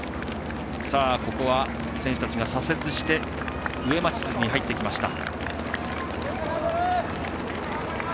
ここは選手たちが左折して上町筋に入ってきました。